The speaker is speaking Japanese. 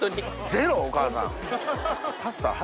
ゼロお母さん。